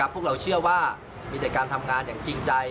พวกเราเชื่อว่ามีแต่การทำงานอย่างจริงใจ